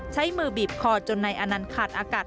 ใช้มือบีบคอจนนายอนันต์ขาดอากาศ